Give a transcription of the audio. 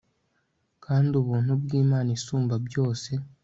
kandi ubuntu bw'imana isumba byose